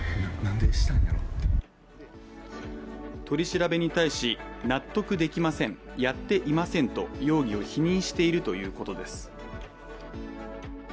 取り調べに対し納得できません、やっていませんと容疑を否認しているということです。